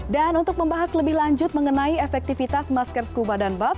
dan untuk membahas lebih lanjut mengenai efektivitas masker scuba dan buff